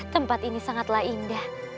tempat ini sangatlah indah